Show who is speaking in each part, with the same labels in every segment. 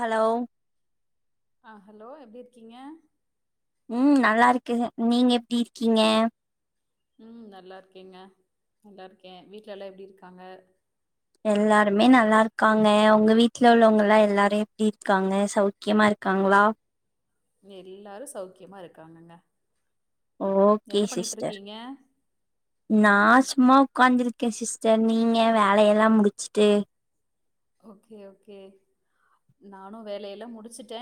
Speaker 1: Hello
Speaker 2: அ hello எப்டிர்க்கீங்க
Speaker 1: ம் நல்லாருக்கே நீங்க எப்டி இருக்கீங்க
Speaker 2: ம் நல்லாருக்கேங்க நல்லாருக்கே வீட்ல எல்லா எப்டி இருக்காங்க
Speaker 1: எல்லாருமே நல்லாருக்காங்க உங்க வீட்ல உள்ளவங்க எல்லா எல்லாரு எப்டி இருக்காங்க சௌக்கியமா இருக்காங்களா
Speaker 2: எல்லாரு சௌக்கியமா இருக்காங்கங்க
Speaker 1: ஓகே
Speaker 2: என்ன பண்ணிட்டு
Speaker 1: சிஸ்டர்
Speaker 2: இருக்கீங்க
Speaker 1: நா சும்மா உக்காந்திருக்கே சிஸ்டர் நீங்க வேலையெல்லா முடிச்சிட்டு
Speaker 2: ஓகே ஓகே நானு வேலையெல்லா முடிசுட்டே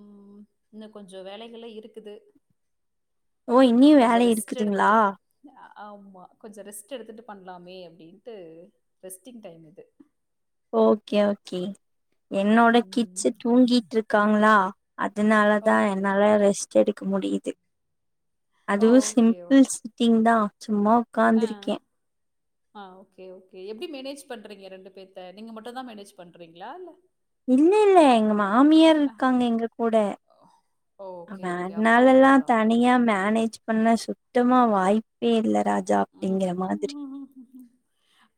Speaker 2: ம் இன்னு கொஞ்சோ வேலைகள்லா இருக்குது
Speaker 1: ஓ இன்னியு
Speaker 2: கொஞ்சோ
Speaker 1: வேலை
Speaker 2: ரெஸ்ட்
Speaker 1: இருக்குதுங்ளா
Speaker 2: எடுத்துட்டு ஆ- ஆமா கொஞ்சோ ரெஸ்ட் எடுத்துட்டு பண்லாமே அப்டின்ட்டு ரெஸ்ட்டிங் டைம் இது
Speaker 1: ஓகே ஓகே என்னோட கிட்ஸு
Speaker 2: ம்
Speaker 1: தூங்கிட்ருக்காங்களா அதனாலதா
Speaker 2: ஓகே
Speaker 1: என்னால ரெஸ்ட் எடு முடியுது அதுவு
Speaker 2: ஓகே ஓகே
Speaker 1: சிம்பிள் சிட்டிங்தா சும் [inaudible]
Speaker 2: ஆ
Speaker 1: உக்காந்திருக்கே
Speaker 2: ஆ ஓகே ஓகே எப்டி மேனேஜ் பண்றீங்க ரெண்டு பேத்த நீங்க மட்டுதா மேனேஜ் பண்றீங்களா இல்ல
Speaker 1: இல்லில்ல எங்க மாமியார்
Speaker 2: ஆ
Speaker 1: இருக்காங்க எங்க கூட அ
Speaker 2: ஓகே ஓகே அப்ப
Speaker 1: வேன்னாலலெல்லா
Speaker 2: ஒன்னும் ப்ராப்ளம் இல்ல
Speaker 1: தனியா மேனேஜ் பண்ண ச் சுத்தமா வாய்ப்பே இல்ல ராஜா
Speaker 2: ம்
Speaker 1: அப்டிங்கற மாதிரி
Speaker 2: ம்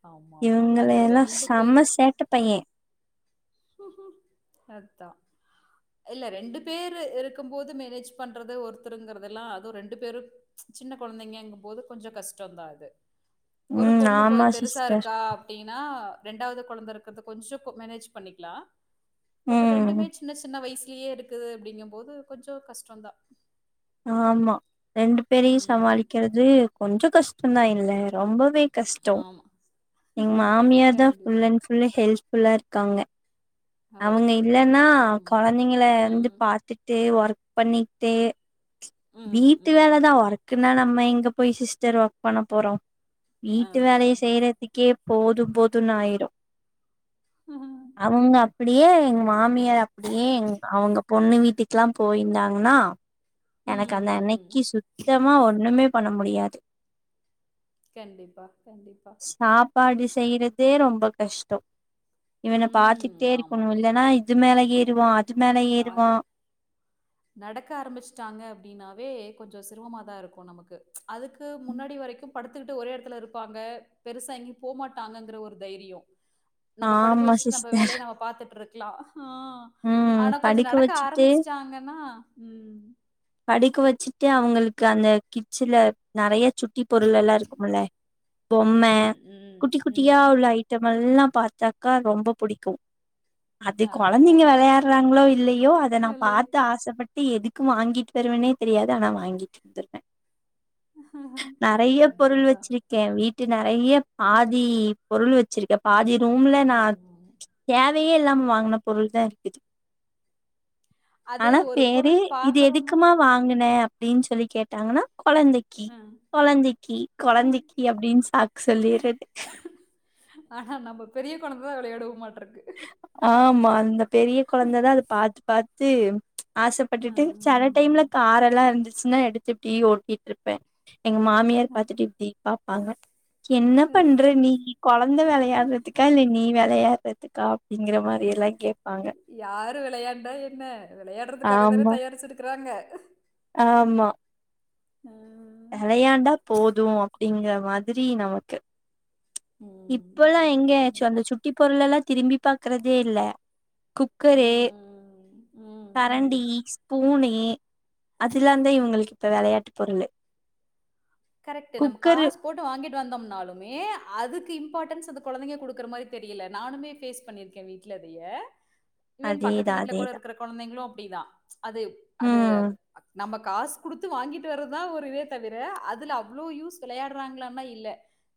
Speaker 2: ஆமா ஆமா
Speaker 1: இவங்கள
Speaker 2: அது
Speaker 1: எல்லா செம்ம சேட்ட பைய
Speaker 2: அத்தா இல்ல ரெண்டு பேரு இருக்கும்போது மேனேஜ் பண்றது ஒருத்தருங்கறதெல்லா அது ரெண்டு பேரு சின்ன கொழந்தைங்கங்கு போது கொஞ்சோ கஷ்டதா அது ஒரு
Speaker 1: ம்
Speaker 2: பொண்ணு பொ
Speaker 1: ஆமா
Speaker 2: பெருசா
Speaker 1: சிஸ்டர்
Speaker 2: இருக்கா அப்டின்னா ரெண்டாவது கொழந்த இருக்கிறது கொஞ்சோ மேனேஜ் பண்ணிக்லா பட்
Speaker 1: ம்
Speaker 2: ரெண்டுமே சின்ன சின்ன வைசு இங்கயே இருக்குது அப்டிங்கும்போது கொஞ்சோ கஷ்டந்தா
Speaker 1: ஆமா ரெண்டு பேரையு
Speaker 2: ம்
Speaker 1: சமாளிக்றது கொஞ்சோ கஷ் ப்பதா இல்ல ரொம்போ கஷ்டோ
Speaker 2: ஆமா
Speaker 1: எங்க மாமியார்தா ஃபுல்
Speaker 2: கண்டிப்பா.
Speaker 1: அண் ஃபுல்லு ஹெல்ப் ஃபுல்லாருக்காங்க அவங்க
Speaker 2: ஓகே ஓகே
Speaker 1: இல்லன்னா
Speaker 2: ம்.
Speaker 1: கொழந்தைங்கள வந்து
Speaker 2: ம்.
Speaker 1: பாத்துட்டே ஒர்க் பண்ணித்தே
Speaker 2: ம்.
Speaker 1: வீட்டு
Speaker 2: ம்.
Speaker 1: வேலதா ஒர்க்குன்னா நம்ம எங்க போய் சிஸ்டர் ஒர்க் பண்ண போறோ வீட்டு
Speaker 2: அதான்
Speaker 1: வேலைய
Speaker 2: அதான்.
Speaker 1: செய்யறதுக்கேப் போது போதுனாயிரு
Speaker 2: ம்.
Speaker 1: அவங்க ப்டியே எங்க மா மாமியார் அப்டியே எங் அவ்ங் பொண்ணு வீட்டுக்ல்லா போயிந்தாங்ன்னா எனக்கு அந்த அன்னை
Speaker 2: ம்.
Speaker 1: க்கி சுத்தமா ஒண்ணும் பண்ண முடியாது
Speaker 2: கண்டிப்பா கண்டிப்பா
Speaker 1: செய்றதே ரொம்ப கஷ்டோ இவன
Speaker 2: ம்.
Speaker 1: பாத்திட்டே
Speaker 2: ஆமா.
Speaker 1: இருக்கணு இல்லன்னா து மேல யேறுவா
Speaker 2: [unintelligible] நடக்க ஆரம்பிச்ட்டாங்க அப்டின்னாவே கொஞ்சோ சிருவமாதா இருக்கு நமக்கு அதுக்கு முன்னாடி வரைக்கும் படுத்துக்குட்டு ஒரே எடத்துல இருப்பாங்க பெருசா எங்கயு போமாட்டாங்கங்குற ஒரு தைரியோ நம்ப படுக்க
Speaker 1: ஆமா
Speaker 2: வச்சிட் நம்ப
Speaker 1: சிஸ்டர்
Speaker 2: வேலைய நம்ப பாத்துட்ருக்கலா
Speaker 1: ம்
Speaker 2: ஆனா கொஞ்ச
Speaker 1: படுக்க
Speaker 2: நடக்க
Speaker 1: வச்சுட்டு
Speaker 2: ஆரம்பிச்டாங்கன்னா ம்
Speaker 1: படிக்கு வச்சுட்டு அவங்களுக்கு அந்த கிச்ல நறைய சுட்டி பொருள் எல்லா இருக்கும்ல பொம்ம
Speaker 2: ம். ம்.
Speaker 1: குட்டி குட்டியா
Speaker 2: ம்.
Speaker 1: உள்ள ஐட்டமெல்லாம் பார்த்தாக்கா ரொம்ப புடிக்கூ அது
Speaker 2: அதான்
Speaker 1: கொழந்தைங்க
Speaker 2: ஓகே.
Speaker 1: விளையாட்றாங்களோ இல்லையோ அத நா
Speaker 2: இல்லை.
Speaker 1: பார்த்து ஆசப்பட் எதுக் வாங்கிட் பெருவனே தெரியாது ஆனா வாங்கிட் வந்துர்வ நறைய
Speaker 2: அதான்
Speaker 1: பொருள்
Speaker 2: அதான்.
Speaker 1: வச்சிருக்க வீட் டு நறைய பாதி பொருள் வச்சிருக்க பாதி ரூம்ல நா
Speaker 2: ம்
Speaker 1: [unintelligible] ப்பயே எல்லாம் வாங்குன பொருள் தா இருக்குது
Speaker 2: அது
Speaker 1: ஆனா
Speaker 2: ஒரு
Speaker 1: பேரு
Speaker 2: பொருள்
Speaker 1: இது எதுக்
Speaker 2: பாக்குறோம்னா
Speaker 1: க்கமா வாங்குண அப் ப்டின் சொல்லி கேட்டாங்ன்னா கொழந்தக்கி
Speaker 2: ஆ
Speaker 1: கொழந்தக்கி கொழந்தக்கி அப்டின் சாக் சொல்லிறது
Speaker 2: ஆனா நம்ம [unintelligible]
Speaker 1: ஆம் மா இந்த பெரிய கொழந்ததா அது பார்த்து பாத் தீம் ஆசப்பட்டுட்டு செல டைம்ல
Speaker 2: ம்
Speaker 1: காரெலா இருந்துச் ச்சுனா எடுத்துடி ஓட்டிட்ருப்ப எங்க மாமியார் பாத்துட்டு தீபா பாங்க என்ன பண்ற நீ கொழந்த வெளையாட்றதுக்கா இல்ல நீ வெளையாட்ற துக்கா அப்டிங்கிற மாரியெல்லா
Speaker 2: யாரு வெளையாண்ட என்ன வெளையாட்றதுக்காக தான
Speaker 1: ஆமா
Speaker 2: தயாரிச்சுருக்குறாங்க
Speaker 1: ஆமா
Speaker 2: ம்
Speaker 1: வெளையாண்டா போது அப்டிங்கிற மாதிரி நமக்கு
Speaker 2: ம்
Speaker 1: இப்பல்லா
Speaker 2: கண்டிப்பா
Speaker 1: எங்கயாச்சு
Speaker 2: கண்டிப்பா
Speaker 1: அந்த சுட்டி பொருளெல்லா திரும்பி பாக்குறதே இல்ல குக்கரு
Speaker 2: ம் ம் ம்
Speaker 1: கரண்டி ஸ்ப்பூனு அதுல்லாதா இவங்களுக்கு இப்ப வெளையாட்டு பொருளு
Speaker 2: கரெக்ட் நம்ம
Speaker 1: குக்கரு
Speaker 2: காசு போட்டு வாங்கிட் டு வந்தோம்னாலுமே அதுக்கு இம்பார்ட்டன்ஸ் அந்த கொழந்தைங்க குடுக்குற மாரி தெரியல நானுமே ஃபேஸ் பண்ணிருக்கே வீட்ல இதைய இவன்
Speaker 1: அதேதா
Speaker 2: பக்கத்து வீட்ல கூட
Speaker 1: அதேதா
Speaker 2: இருக்கிற கொழந்தைங்களு பிடிதா அது அது
Speaker 1: ம்
Speaker 2: நமக் காசு குடுத்து வாங்கிட்டு வர்றதுதா ஒரு இதே தவிர அது அதுல அவ்ளோ யூஸ் வெளையாடுறாங்களானா இல்ல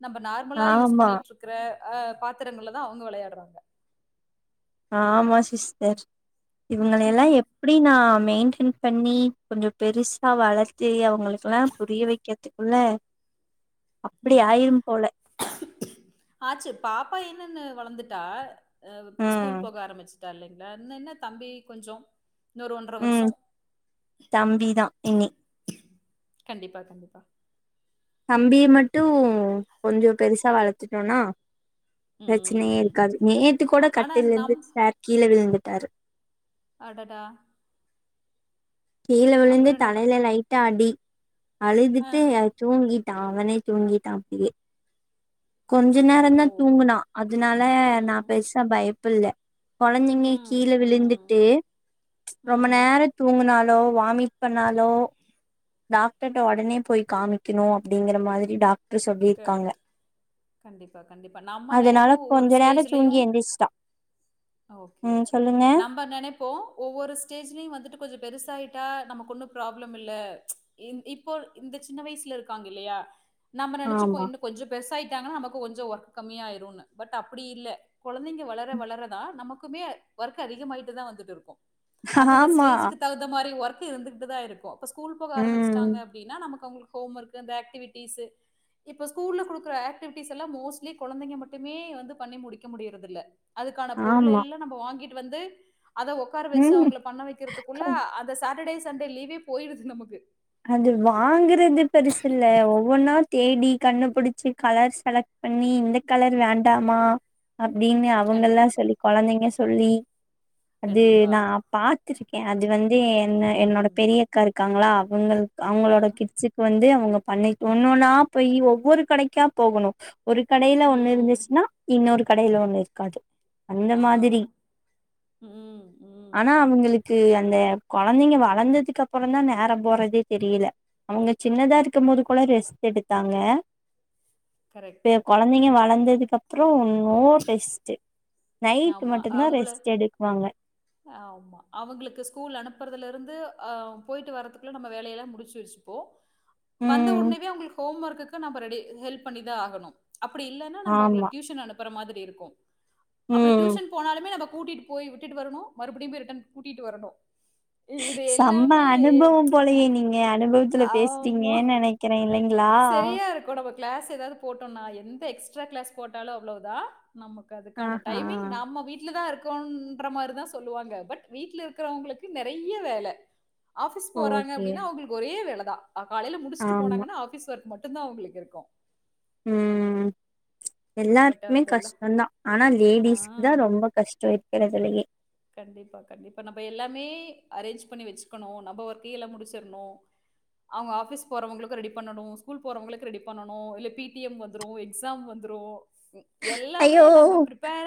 Speaker 2: நம்ம நார்மலா யூஸ்
Speaker 1: ஆமா
Speaker 2: பண்ணிட்டுருக்கிற ஆ பாத்திரங்கள தா அவுங்க வெளையாடுறாங்க
Speaker 1: ஆமா சிஸ்டர் இவுங்களை எல்லா எப்டி நா மெயின்டென் பண்ணி கொஞ்சோ பெருசா வளர்த்து அவுங்களுக்கெல்லா புரிய வக்கிறதுக்குள்ள அப்படி ஆயிரும் போல
Speaker 2: ஆச்சு பாப்பா என்னன்னு வளர்ந்துட்டா அ
Speaker 1: ம்
Speaker 2: ஸ்கூல் போக ஆரம்பிச்சு தல்லைங்களா இன்ன என்ன தம்பி கொஞ்சோ
Speaker 1: ம் தம்பிதா இன்னி
Speaker 2: கண்டிப்பா கண்டிப்பா
Speaker 1: தம்பிய மட்டு கொஞ்சோ பெருசா வளத்துட்டோனா ப்ரச்சனையே
Speaker 2: ம்.
Speaker 1: இருக்காது நேத்து கூட
Speaker 2: ஆ- ஆனா
Speaker 1: கட்டில இருந்து
Speaker 2: நம்
Speaker 1: சார் கீழ விழுந்து டாரு
Speaker 2: அடடா
Speaker 1: கீழ விழுந்து
Speaker 2: அப்புறம் என்ன பண்
Speaker 1: தலைல லைட்டா அடி
Speaker 2: ஆ.
Speaker 1: அழுதுட்டு அது தூங்கி டா அவனே தூங்கிட்டா அப்டியே கொஞ்ச
Speaker 2: ஓ!
Speaker 1: நேரந்தா தூங்கினா அதுனால நா
Speaker 2: ம்.
Speaker 1: பெருசா பயப் புள்ள கொழந்தைங்க
Speaker 2: ம்.
Speaker 1: கீழ
Speaker 2: ம்.
Speaker 1: விழுந்துட்டு ரொம்ப
Speaker 2: ம்.
Speaker 1: நேர தூங்குனாலு வாமிட் பண்ணாலோ டாக்டர்ட உடனே போய் காமிக்கினு அப்டிங்கற மாதிரி டாக்
Speaker 2: கரெக்ட் கண்டிப்பா கண்டிப்பா நாம்ம
Speaker 1: அதனால
Speaker 2: நெனைப்போ ஒவ்வொரு
Speaker 1: கொஞ்ச நேரோ
Speaker 2: ஸ்டேஜ்லயு
Speaker 1: தூங்கி எந்திரிச்சிட்டா
Speaker 2: ஓகே
Speaker 1: ம்
Speaker 2: ஓகே
Speaker 1: சொல்லுங்க
Speaker 2: நம்ப நெனைப்போ ஒவ்வொரு ஸ்டேஜ்லியு வந்துட்டு கொஞ்ச பெருசாயிட் டா நமக்கு ஒன்னு ப்ராப்ளம் இல்ல ம்ச் இன் இப்போ இந்த சின்ன வயசுல இருக்காங்கில்லையா நா சுப்போ
Speaker 1: ஆமா
Speaker 2: இன்னு கொஞ்சோ பெருசாயிட்டாங்கானா நமக் கு கொஞ்சோ வொர்க் கம்மியாயிருனு பட் அப்பிடி இல்ல கொழந்தைங்க வளர வளரதா நமக் குமே வொர்க் அதிகமாயிட்டு தா வந்துட்டுருக்கு அந்தந்த
Speaker 1: ஆமா
Speaker 2: ஸ்டேஜ்க்கு தகுந்த மாரி வொர்க் கு இருந்துகிட்டுதா இருக்கு இப்ப ஸ்கூல் போக
Speaker 1: ம்
Speaker 2: ஆரம்மிச்சாட்டாங்க அப்டினா நமக் அவுங்களுக் ஹோம் வொர்க்கு அந்த ஆக்டிவிட்டிஸு இப்ப ஸ்கூல்ல குடுக்குற ஆக்டிவிட்டிஸ் எல்லா மோஸ்ட்லி கொழந்தைங்க மட்டுமே வந்து பண்ணி முடிக்க முடியறதில்ல அதுக்கான
Speaker 1: ஆமா
Speaker 2: பொருளெல்லா நம்ப வாங்கிட் டு வந்து அத ஒக்கார வெச்ட்டு
Speaker 1: ம்
Speaker 2: அவுங்கள பண்ண வெக்கிறதுக்குள்ள அந்த சேட்டர்டேஸ் சண்டே லீவே போயிடுது நமக்கு
Speaker 1: அது வாங்குறது பெருசில்ல ஒவ்வொன்னா தேடி கண்ணுபுடிச்சி கலர் செலக்ட் பண்ணி இந்த கலர் வேண்டாமா அப்டின்னு அவுங்கெல்லா
Speaker 2: கண்டிப்பா
Speaker 1: சொல்லி கொழந்தைங்க சொல்லி அது
Speaker 2: கண்டிப்பா
Speaker 1: நா பாத்திருக்கே அது வந்து என்ன என்னோட
Speaker 2: ம்
Speaker 1: பெரியக்கா இருக்காங்களா பொங்கல்
Speaker 2: ஆ
Speaker 1: அவுங்களோட கிட்சுக் வந்து அவுங்க பண்ணை ஒண்ணு ஒன்னா போய் ஒவ்வொரு கடைக்கா போகனு ஒரு கடையில ஒண்ணு
Speaker 2: ம்
Speaker 1: இருந்துச்னா இன்னொரு கடையில ஒண்ணு இருக்காது அந்த
Speaker 2: ஆ
Speaker 1: மாதிரி
Speaker 2: ம் ம்
Speaker 1: ஆனா அவுங்களுக்கு அந்த கொழந்தைங்க வளந்ததுக் கப்றோ தா நேரம் போறதே தெரியில அவுங்க சின்னதா இருக்கு போது கூட ரெஸ் எடுத்தாங்க பே
Speaker 2: கரெக்ட்
Speaker 1: கொழந்தைங்க வளந் ததுக் அப்றோ நோ ரெஸ்ட்டு நைட்
Speaker 2: ஆமா
Speaker 1: மட்டு தா
Speaker 2: அவங்கள
Speaker 1: ரெஸ்ட் எடுக்வாங்க
Speaker 2: ஆமா அவுங்களுக்கு ஸ்கூல் அனுப்றதுலருந்து அ போயிட்டு வரத்துக்குள்ள நம்ம வேலையெல்லா முடிச்சி வச்சுப்போ வந்த
Speaker 1: ம்
Speaker 2: ஒனேவே அவுங்குளுக் ஹோம் வொர்க்குக்கு நம்ப ரெடி ஹெல்ப் பண்ணிதா ஆகனு அப்டி இல்லன்னா நம்ம அவுங்கள
Speaker 1: ஆமா
Speaker 2: டியூஷன் அனுப்பற மாதி ரி இருக்கு அப்டி
Speaker 1: ம்
Speaker 2: டியூஷன் போனாலுமே நம்ம கூட்டிட் போய் விட்டுட்டு வரனு மறுபடியு போய் ரிட்டன் கூட்டிட்டு வரணு
Speaker 1: செம்ம அனுபவம் போலயே நீங்க அனுபவத்துல
Speaker 2: ஆமா.
Speaker 1: பேஸ்றீங்க நெனைக்கிறே இல்லைங்களா
Speaker 2: சரியா த எக்ஸ்ட்ரா கிளாஸ் போட்டாலு அவ்ளவ்தா நமக்கு அதுக்கான
Speaker 1: ஆஹா
Speaker 2: டைமிங் நம்ம வீட்ல தா இருக் குன்ற மாரி தா சொல்லுவாங்க பட் வீட்ல இருக்கறவங்களுக்கு நெறைய வேல ஆஃபிஸ் போறாங்க
Speaker 1: ஓகே
Speaker 2: அப்டின்னா அவங்களுக்கு ஒரே வேல தா அ காலைல முடிச்சிட்டு
Speaker 1: ஆமா
Speaker 2: போனாங்கன்னா ஆஃபிஸ் ஒர்க் ம ட்டுந்தா அவங்களுக் இருக்கு
Speaker 1: ம்
Speaker 2: பட்
Speaker 1: எல்லாருக்குமே
Speaker 2: அதெல்லாம்
Speaker 1: கஷ்டந்தா ஆனா
Speaker 2: ஆ
Speaker 1: லேடிஸ்க் தா ரொம்ப கஷ்டோ இர் க்குதில்லீங்க
Speaker 2: கண்டிப்பா கண்டிப்பா நம்ப எல்லாமே அரேஞ்ச் பண்ணி வெச்சுக்கனு நம்ப ஒர்க்கு எல்லா முடிச்சிர்னு அவுங்க ஆஃபீஸ் போறவங்களுக்கு ரெடி பண்ணனு ஸ்கூல் போறவங்களுக்கு ரெடி பண்ணனு இல்ல பி டி எம் வந்துரு எக்ஸாம் வந்துரு
Speaker 1: ஐயோ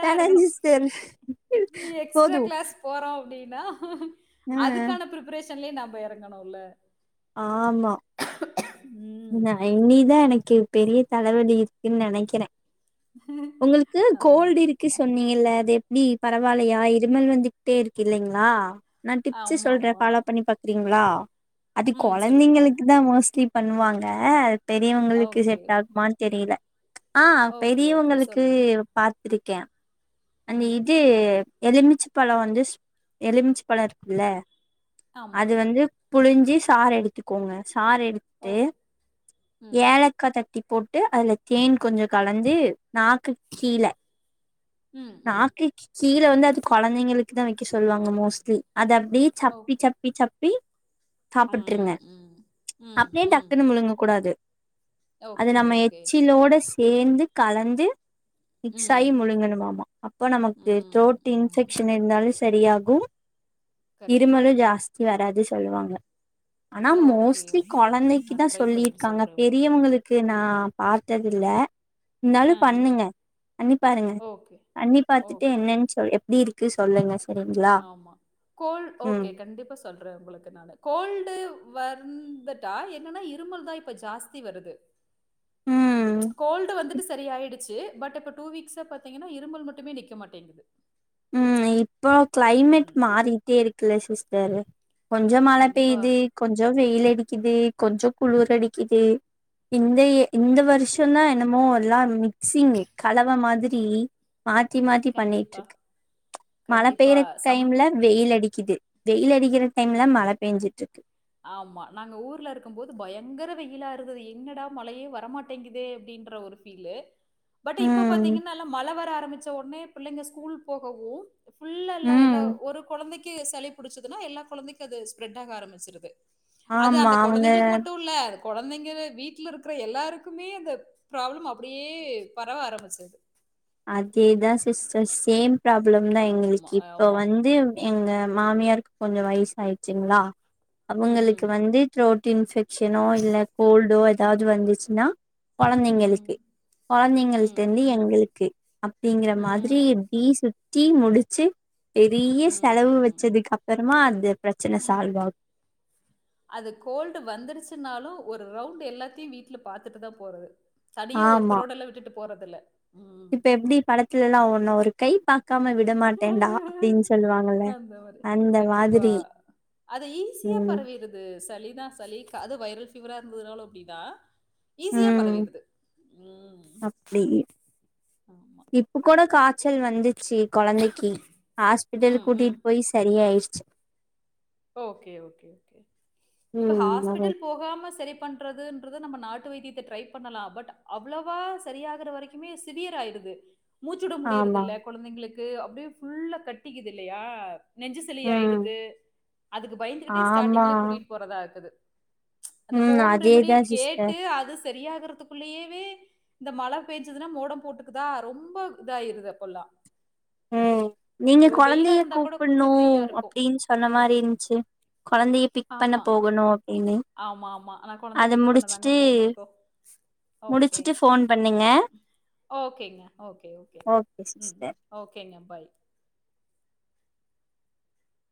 Speaker 1: வேணாங்
Speaker 2: இருக்கணும்
Speaker 1: சிஸ்டர்
Speaker 2: எக்ஸ்ட்ரா
Speaker 1: போது
Speaker 2: கிளாஸ் போறோ அப்டி நா
Speaker 1: ஆ
Speaker 2: அதுக்கான பிரிப்பரே ஷன்லயு நம்ப எறங்கனுல்ல
Speaker 1: ஆமா
Speaker 2: ம்
Speaker 1: நா இனி தா எனக்கு பெரிய தல வலி இருக்குன் நெனைக்கறே உங்களுக்கு
Speaker 2: ஆமா
Speaker 1: கோல்டிருக்கு சொன்னீங்கல்ல அது எப்டி பரவால்லயா இருமல் வந் ட்டே இருக்கு இல்லைங்ளா நா டிப்ஸ்சு
Speaker 2: ஆமா
Speaker 1: சொல்றே
Speaker 2: ஆமா
Speaker 1: ஃபாலோ பண்ணி பாக்கறீங்களா
Speaker 2: ம். சொல்லுங்க.
Speaker 1: கொழந்தைங்களுக்கு தா மோ ஸ்ட்லி பண்ணுவாங்க பெரியவங்களுக்கு
Speaker 2: ஓகே.
Speaker 1: செட் ஆகுமான் தெரியில அ
Speaker 2: ஓகே, ஓகே.
Speaker 1: பெரியவங்களுக்கு
Speaker 2: சொல்லுங்க.
Speaker 1: பா த்ரிக்கே அந்த
Speaker 2: ம்.
Speaker 1: இது எலுமிச்ச பலோ வந்து ஸ் எலுமிச்ச பலோ இருக்கும்ல
Speaker 2: ஆமா.
Speaker 1: அது வந்து புழிஞ்சு சார் எடுத்துக்கோங்க சார் எடுத்து
Speaker 2: ஓக் ம்.
Speaker 1: ஏலக்கா தட்டி போட்டு அதுல தேன் கொஞ்சோ கலந்து நாக்கு கீழ
Speaker 2: ம், ம்.
Speaker 1: நாக்குக்கு கீழ வந்து அது கொழந்தைங்களுக் குதா வக்க சொல்லுவாங்க மோஸ்ட்லி அது அப்டியே சப்பி
Speaker 2: ஓகே.
Speaker 1: சப்பி சப்பி
Speaker 2: ம்,
Speaker 1: சாப்பிட்டுருங்க
Speaker 2: ம். ம்,
Speaker 1: அப்டியே
Speaker 2: ம்.
Speaker 1: டக்குன்னு முழுங்க கூடாது அது
Speaker 2: ஓகே,
Speaker 1: நம்ம
Speaker 2: ஓகே.
Speaker 1: எச்சிலோட ஸ் சேந்து கலந்து
Speaker 2: ம்.
Speaker 1: மிக்ஸ்சாயி முழுங்கணுமாமா அப்போ நமக்கு
Speaker 2: ம்,
Speaker 1: த்ரோட்
Speaker 2: ம்.
Speaker 1: இன்ஃபெக்ஷன் இருந்தாலு சரியா ம்
Speaker 2: கரெக்ட்டு.
Speaker 1: இருமலு ஜாஸ்த் வராது சொல்லுவாங்க ஆனா
Speaker 2: ஓகே,
Speaker 1: மோஸ்ட்லி
Speaker 2: ஓகே, ஓகே.
Speaker 1: கொழந்தைக்கிதா
Speaker 2: நான் ட்ரை பண்ணிட்டு
Speaker 1: சொல்லியிர்க்காங்க
Speaker 2: சொல்றேன் உங்களுக்கு.
Speaker 1: பெரியவங்களுக்கு நா பாத்ததுல்ல இருந்தாலு
Speaker 2: ஆ.
Speaker 1: பண்ணுங்க பண்ணி பாருங்க
Speaker 2: ஓகே,
Speaker 1: பண்ணி பாத்துட்டு
Speaker 2: ஓகே.
Speaker 1: என்னன்னு சொல்லு எப்டி இருக்கு சொல்லுங்க ஸ்
Speaker 2: ஆமா கோல் ஓகே கண்டிப்பா சொல்றே ஒங்களுக்கு நானு கோல்டு வந்துட்டா என்னன்ன இருமல் தா இப்ப ஜாஸ்தி வருது
Speaker 1: ம்
Speaker 2: கோல்டு வந்துட்டுஸ் சரி ஆயிடுச்சு பட் இப்ப டூ வீக்ஸ் பாத்தீங்கனா இருமல் மட்டுமே நிக்க மாட்டேங்குது
Speaker 1: ம் இ இப்போ கிளைமேட்
Speaker 2: ம்.
Speaker 1: மாறிட்டே இருக்குல சிஸ் ஏலு கொஞ்சம் மழை
Speaker 2: கண்டிப்பா,
Speaker 1: பெய்யுது கொஞ்ச வெயில் அடி இது கொஞ்ச குளிர் அடிக்குது இந்த இந்த வருஷ தா என்னமோ எல்லா மிக்சிங் கலவ மாரி மாத்தி மாத்தி
Speaker 2: கண்டிப்பா,
Speaker 1: பண்ணிட்ரு மழ
Speaker 2: கண்டிப்பா.
Speaker 1: பெய்ற டைம்ல
Speaker 2: சம்மர்
Speaker 1: வெயில் அட் டிக்கிது வெயில் அடிக்கிற டைம்ல மழ பெய்ஞ்சிட்டுருக்கு
Speaker 2: ஆமா நாங்க ஊர்லருக்கும் போது பயங்கர வெயிலாருந்தது என்னடா மழையே வரமாட்டேங்குதே அப்டின்ற ஒரு ஃபீலு பட்டு இப்ப
Speaker 1: ம்
Speaker 2: பாத்தீங்கன்னா எல்லா மழ வர ஆரம்பிச்ச ஒட்னே பிள்ளைங்க ஸ்கூல் போகவு ஃபுல்லல்லா
Speaker 1: ம்
Speaker 2: எல்லா ஒரு கொழந்தைக் கி சளி புடிச்சதுன்ன எல்லா கொழந்தைக்கு அது ஸ்ப்ரெட்டாக ஆரம்பிச்சிருது அது
Speaker 1: ஆமா
Speaker 2: அந்த
Speaker 1: அவங்க
Speaker 2: கொழந்தைங்களுக்கு மட்டுல்ல கொழந்தைங்க வீட்டுலருக்குற எல்லாருக்குமே அந்த ப்ராப்ளம் அப்டியே பரவ ஆரம்பிச்சது
Speaker 1: அதேதா சிஸ்டர் சேம் ப்ராப்ளம் தா
Speaker 2: ஆமா
Speaker 1: எங்களுக்கு இப்போ
Speaker 2: ஆமா.
Speaker 1: வந்து எங்க மாமியார்க் கொஞ்சோ வயசு ஆயிட்ச்சிங்களா
Speaker 2: ம்.
Speaker 1: அவுங்களுக்கு வந்து த்ரோட் டு இன்ஃபெக்க்ஷனோ இல்ல கோல்டோ ஏதாவது வந்துச்சின்னா கொழந்தைங்களுக்கு
Speaker 2: ம். ம்.
Speaker 1: கொழந்தைங்கள்ட்டருந்து
Speaker 2: ம்.
Speaker 1: எங்களுக்கு அப்டிங்கற மாதிரி
Speaker 2: ம்.
Speaker 1: பி சுப் டீ முடிச்சி பெரிய செலவு
Speaker 2: ம்.
Speaker 1: வெச்சதுக் அப்பற றமா அது பிரச்சன சால்வ் ஆக்
Speaker 2: அது கோல்டு வந்துருச்சினாலு ஒரு ரவுண்டு எல்லாத்தயு வீட்டுல பாத்துட்டு தா போறது தனியா
Speaker 1: ஆமா
Speaker 2: ஒருத்தரோடல்ல விட்டுட்டுப் போறதில்ல ம்.
Speaker 1: இப்ப எப்டி படத்துலல்லா ஒண்ண ஒரு கை பாக்காம விடமாட்டேண்டா அப்டின் சொல்லுவாங்கல
Speaker 2: அந்த மாரி.
Speaker 1: அந்த
Speaker 2: கண்டிப்பா.
Speaker 1: மாதிரி ம்
Speaker 2: கு சலிதா சலி க அது வைரல் ஃபீவரா இருந்ததுனாலு அப்டிதா ஈஸியா
Speaker 1: ம்
Speaker 2: பரவிருது ம்
Speaker 1: அப்டி
Speaker 2: ஆமா.
Speaker 1: இப்ப கூட காச் சல் வந்து சி கொழந்தைக்கு ஹாஸ்பிட்டல்
Speaker 2: ம். ம்.
Speaker 1: கூட்டிட் போய் சரியாயிட்ச்
Speaker 2: ஓகே ஓகே ஓகே இப்ப
Speaker 1: ம் நல்லது
Speaker 2: ஹாஸ்பிட்டல் போகாம சரி பண்றதுன்றது நம்ம நாட்டு வைத்தியத்த ட்ரை பண்ணலா பட் அவ்ளோவா சரியாகற வரக்குமே சிவியர் ஆயிடுது மூச்சுட
Speaker 1: ஆமா
Speaker 2: முடியறதில்ல கொழந்திங்ளுக் அப்டியே ஃபுல்லா கட்டிக்குது இல்லியா நெஞ்சுசலி
Speaker 1: ம்
Speaker 2: ஆயிடுது அதுக்கு பயந்துகிட்டே
Speaker 1: ஆமா
Speaker 2: ஸ்டார்டிங்லேயே கூட்டிட்டு போறதா க்குது அந்த
Speaker 1: ம்
Speaker 2: ஹோம் ரெமிடி
Speaker 1: அதேதா
Speaker 2: கேட்டு
Speaker 1: சிஸ்டர்
Speaker 2: அது சரியாகரத்துக்குள்ளயேவே இந்த மழ பேஞ்சுதுன்னா மோடம் போட்டுக்குதா ரொம்ப இதாயிருது அப்பல்லா
Speaker 1: ம் நீங்க கொழந்தைய
Speaker 2: கூட
Speaker 1: கூப்புட்ணு
Speaker 2: கொஞ்சம் ஃப்ரீயா இருக்கும்
Speaker 1: அப்டின் சொன்ன
Speaker 2: ம்
Speaker 1: மாரி ன்சி கொழந்தைய பிக் பண்ண
Speaker 2: ஆமா
Speaker 1: போகணு அப்டின்
Speaker 2: ஆமா ஆமா ஆனா கொழந்தய பிக் பண்ணதாங்க போனு இப்போ ஓகே
Speaker 1: முடிச்சுட்டு ஃபோன் பண்ணுங்க
Speaker 2: ம் ஓகேங்க ஓகே ஓகே ம் ஓக் கேங்க பாய்